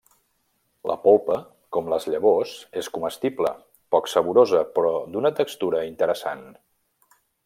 La polpa, com les llavors, és comestible, poc saborosa però d'una textura interessant.